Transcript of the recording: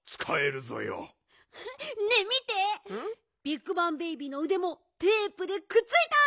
ビッグバン・ベイビーのうでもテープでくっついた！